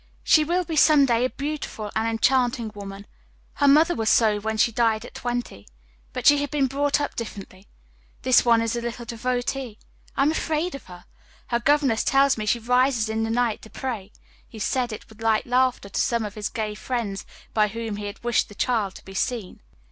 "She will be some day a beautiful, an enchanting woman her mother was so when she died at twenty, but she had been brought up differently. This one is a little devotee. I am afraid of her. Her governess tells me she rises in the night to pray." He said it with light laughter to some of his gay friends by whom he had wished the child to be seen.